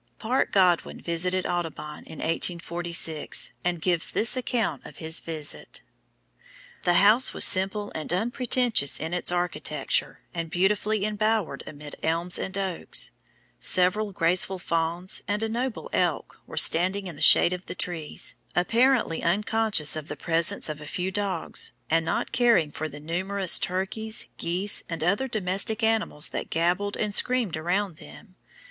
Parke Godwin visited Audubon in 1846, and gives this account of his visit: "The house was simple and unpretentious in its architecture, and beautifully embowered amid elms and oaks. Several graceful fawns, and a noble elk, were stalking in the shade of the trees, apparently unconscious of the presence of a few dogs, and not caring for the numerous turkeys, geese, and other domestic animals that gabbled and screamed around them.